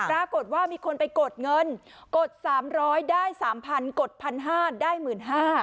ปรากฏว่ามีคนไปกดเงินกดสามร้อยได้สามพันกดพันห้าได้หมื่นห้า